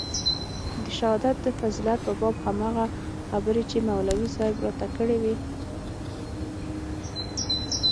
د شهادت د فضيلت په باب هماغه خبرې چې مولوي صاحب راته کړې وې.